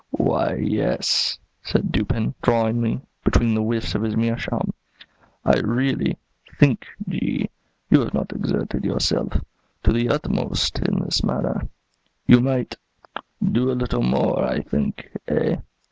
"Why, yes," said Dupin, drawlingly, between the whiffs of his meerschaum, "I really think, G , you have not exerted yourself to the utmost in this matter. You might do a little more, I think, eh?"